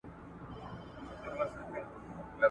د کښتۍ په منځ کي جوړه خوشالي سوه .